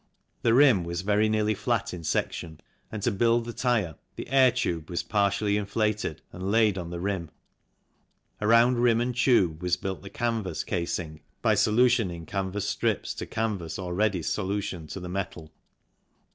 The rim was very nearly flat in section, and to build the tyre the air tube was partially inflated and laid on the rim ; around rim and tube was built the canvas casing by solutioning canvas strips to canvas already solutioned to the metal.